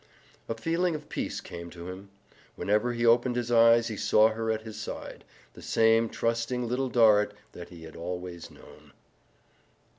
A feeling of peace came to him. Whenever he opened his eyes he saw her at his side the same trusting Little Dorrit that he had always known.